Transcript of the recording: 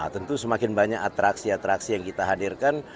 tentu semakin banyak atraksi atraksi yang kita hadirkan